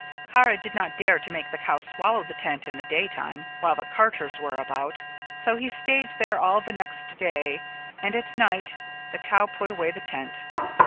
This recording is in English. Kara did not dare to make the cow swallow the tent in the day time while the carters were about, so he stayed there all the next day and at night the cow put away the tent.